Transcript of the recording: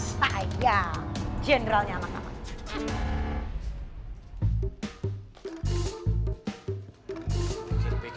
saya generalnya anak anak